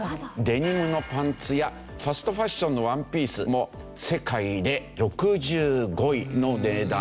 デニムのパンツやファストファッションのワンピースも世界で６５位の値段。